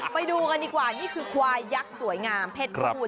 ไปดูกันดีกว่านี่คือควายยักษ์สวยงามเพศผู้